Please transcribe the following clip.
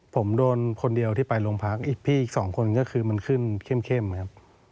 ผมโดนคนเดียวที่ไปโรงพักอีกพี่อีกสองคนก็คือมันขึ้นเข้มครับ